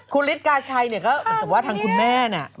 คุณฤทธิกาชัยเนี่ยก็เหมือนกับว่าทางคุณแม่เนี่ย